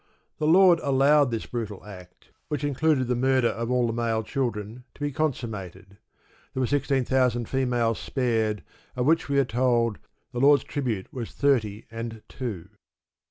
The Lord allowed this brutal act which included the murder of all the male children to be consummated. There were sixteen thousand females spared, of which we are told that "the Lord's tribute was thirty and two."